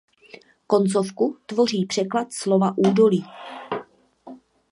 Koncovku tvoří překlad slova údolí.